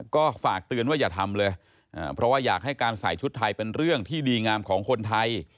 ก็ฝากเตือนว่าอย่าทำเลยเพราะว่าอยากให้การใส่ชุดไทยเป็นเรื่องที่ดีงามของคนไทย